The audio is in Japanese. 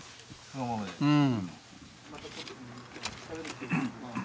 うん。